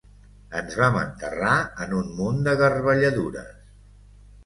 Ens vam enterrar en un munt de garbelladures